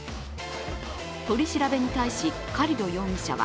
取り調べに対し、カリド容疑者は